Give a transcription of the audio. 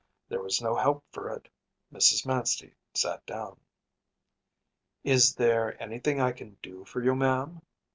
There was no help for it; Mrs. Manstey sat down. “Is there anything I can do for you, ma’am?